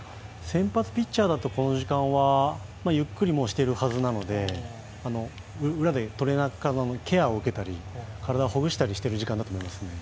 先発ピッチャーだとこの時間はゆっくりしているはずなので、裏でトレーナーからのケアを受けたり、体をほぐしたりしてる時間だと思いますね。